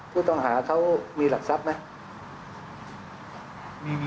ผู้ต้องหาเขามีหลักทรัพย์ไหม